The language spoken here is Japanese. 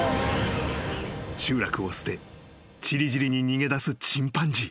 ［集落を捨て散り散りに逃げ出すチンパンジー］